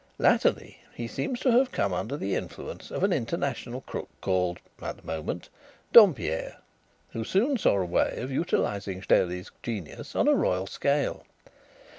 Latterly he seems to have come under the influence of an international crook called at the moment Dompierre, who soon saw a way of utilizing Stelli's genius on a royal scale.